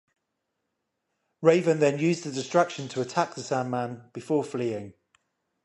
Raven then used the distraction to attack the Sandman before fleeing.